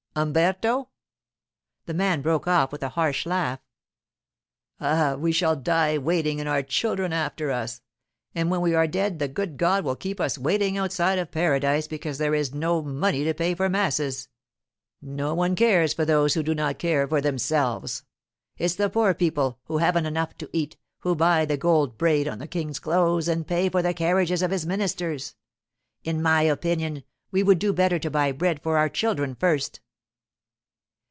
Umberto?' The man broke off with a harsh laugh. 'Ah—we shall die waiting, and our children after us. And when we are dead the good God will keep us waiting outside of paradise because there is no money to pay for masses. No one cares for those who do not care for themselves. It's the poor people, who haven't enough to eat, who buy the gold braid on the King's clothes and pay for the carriages of his ministers. In my opinion, we would do better to buy bread for our children first.